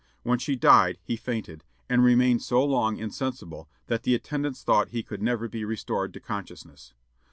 When she died he fainted, and remained so long insensible that the attendants thought he could never be restored to consciousness.